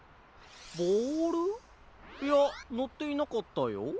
ボールいやのっていなかったよ。